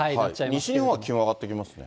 西日本は気温上がっていきますね。